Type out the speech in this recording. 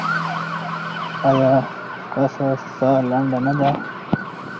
ایا ستاسو ساه لنډه نه ده؟